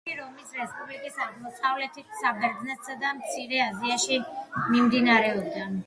ომები რომის რესპუბლიკის აღმოსავლეთით, საბერძნეთსა და მცირე აზიაში მიმდინარეობდა.